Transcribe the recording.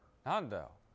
なんだよ。